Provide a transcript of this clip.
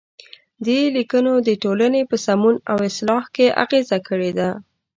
دې لیکنو د ټولنې په سمون او اصلاح کې اغیزه کړې ده.